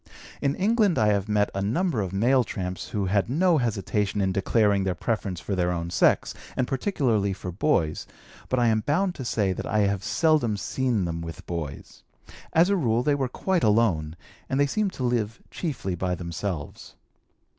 In England I have met a number of male tramps who had no hesitation in declaring their preference for their own sex, and particularly for boys, but I am bound to say that I have seldom seen them with boys; as a rule, they were quite alone, and they seem to live chiefly by themselves.